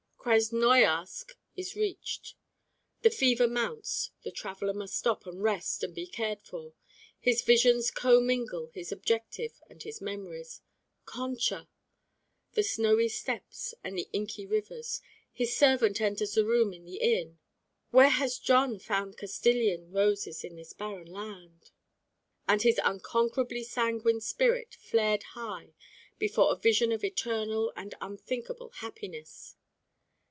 Krasnoiarsk is reached. The fever mounts, the traveler must stop and rest and be cared for. His visions commingle his objective and his memories ... CONCHA! ... The snowy steppes and the inky rivers.... His servant enters the room in the inn ... Why ... "Where has Jon found Castilian roses in this barren land?" ... "and his unconquerably sanguine spirit flared high before a vision of eternal and unthinkable happiness"